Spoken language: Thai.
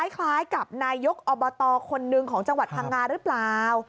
คล้ายกับนายกอบตคนหนึ่งของจังหวัดพังงาหรือเปล่า